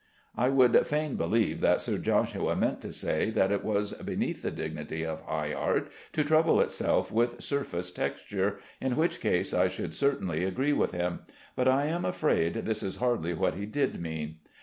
I would fain believe that Sir Joshua meant to say that it was beneath the dignity of high art to trouble itself with surface texture, in which case I should certainly agree with him; but I am afraid this is hardly what he did mean.